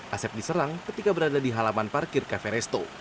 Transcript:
asep diserang ketika berada di halaman parkir kafe resto